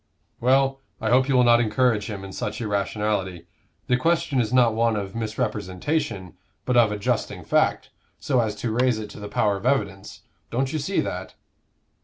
"Well, I hope you will not encourage him in such irrationality; the question is not one of misrepresentation, but of adjusting fact, so as to raise it to the power of evidence. Don't you see that?"